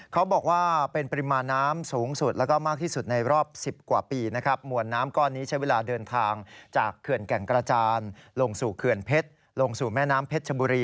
เขาบอกว่าเป็นปริมาณน้ำสูงสุด